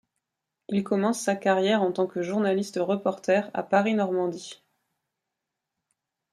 Il commence sa carrière en tant que journaliste-reporter à Paris Normandie.